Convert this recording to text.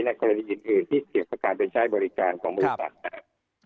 ในกรณีอื่นอื่นที่เกี่ยวกับการเป็นใช้บริการของมูลศัพท์ครับ